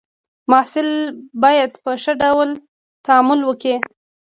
محصل باید په ښه ډول تعامل وکړي.